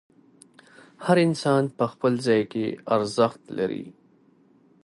هر انسان په خپل ځای کې ارزښت لري.